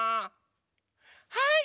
はい！